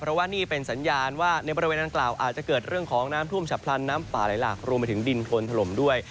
เพราะว่านี่เป็นสัญญาณว่าในบริเวณดังกล่าวอาจจะเกิดเรื่องของน้ำท่วมฉับพลันน้ำป่าไหลหลากรวมไปถึงดินคนถล่มด้วย